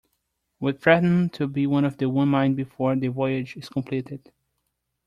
We threaten to be of the one mind before the voyage is completed.